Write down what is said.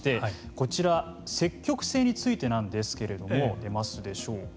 こちら積極性についてなんですけれども出ますでしょうか。